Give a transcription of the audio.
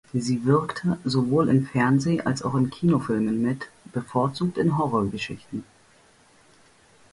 Sie wirkte sowohl in Fernseh- als auch in Kinofilmen mit; bevorzugt in Horrorgeschichten.